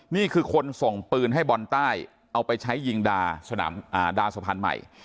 นี่คือคนส่งปืนให้บอลใต้เอาไปใช้ยิงดาสนามดาสะพานใหม่